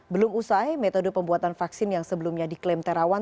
belum usai metode pembuatan vaksin yang sebelumnya diklaim terawan